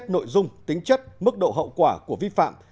nội dung tính chất mức độ hậu quả của vi phạm